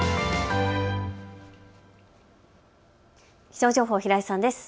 気象情報、平井さんです。